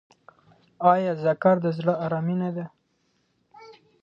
آیا ذکر د زړه ارامي نه ده؟